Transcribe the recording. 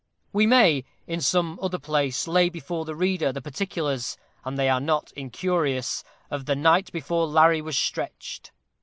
We may, in some other place, lay before the reader the particulars and they are not incurious of the "night before Larry was stretched."